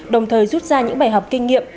đồng thời rút ra những bài học kinh nghiệm